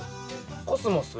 コスモス？